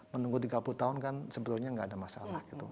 menunggu tiga puluh tahun kan sebetulnya nggak ada masalah gitu